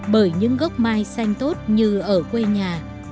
bởi những gốc mai xanh tốt như ở quê nhà